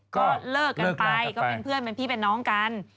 ก็เลิกกันไปก็เป็นเพื่อนเป็นพี่เป็นน้องกัน